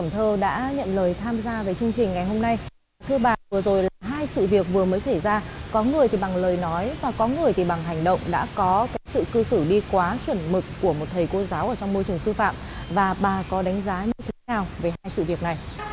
thầy cô giáo ở trong môi trường sư phạm và bà có đánh giá như thế nào về hai sự việc này